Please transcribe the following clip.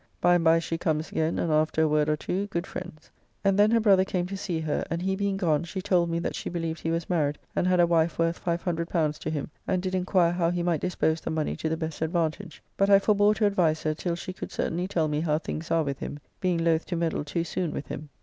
By and by she comes again, and, after a word or two, good friends. And then her brother came to see her, and he being gone she told me that she believed he was married and had a wife worth L500 to him, and did inquire how he might dispose the money to the best advantage, but I forbore to advise her till she could certainly tell me how things are with him, being loth to meddle too soon with him.